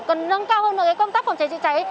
cần nâng cao hơn công tác phòng cháy chịu cháy